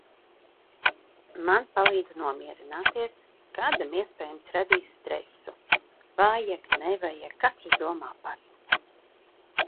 Man palīdz nomierināties, kādam iespējams radīs stresu, vajag, nevajag katrs domā pats.